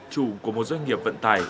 chủ của một doanh nghiệp vận tải